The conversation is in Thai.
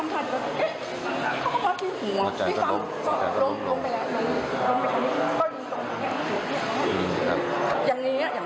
อุ้งอาด